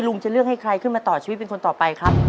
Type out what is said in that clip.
จะเลือกให้ใครขึ้นมาต่อชีวิตเป็นคนต่อไปครับ